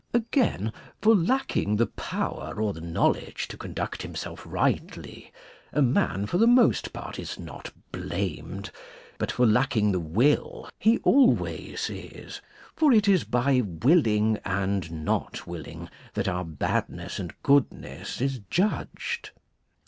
Again, for lacking the power or the knowledge to con duct himself rightly a man for the most part is not blamed ; but for lacking the will he always is, for it is by willing and not willing that our badness and goodness is judged.